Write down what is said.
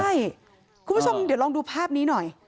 ใช่คุณผู้ชมเดี๋ยวลองดูภาพนี้หน่อย